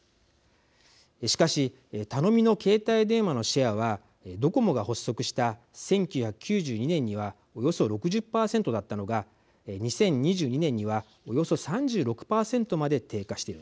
しかし頼みの携帯電話のシェアはドコモが発足した１９９２年にはおよそ６０％だったのが２０２２年にはおよそ３６％まで低下しているんです。